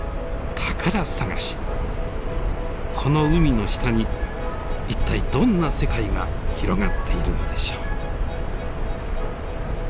この海の下に一体どんな世界が広がっているのでしょう。